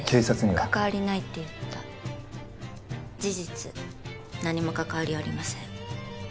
関わりないって言った事実何も関わりはありません